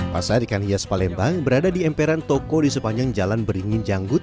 pasar ikan hias palembang berada di emperan toko di sepanjang jalan beringin janggut